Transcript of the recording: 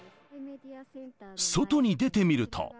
外に出てみると。